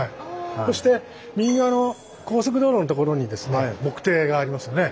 そして右側の高速道路のところにですね墨堤がありますよね。